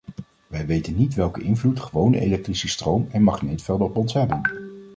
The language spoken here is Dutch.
Wij weten niet welke invloed gewone elektrische stroom en magneetvelden op ons hebben.